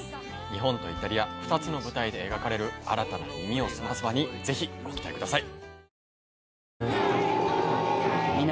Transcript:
日本とイタリア２つの舞台で描かれる新たな「耳をすませば」に是非ご期待ください。